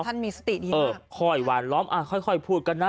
ท่านมีสติดีเออค่อยหวานล้อมอ่าค่อยค่อยพูดกันนะ